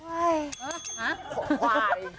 ขวาย